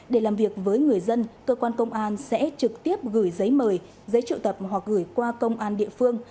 để làm việc với người dân cơ quan công an sẽ trực tiếp gửi giấy mời giấy triệu tập hoặc gửi qua công an địa phương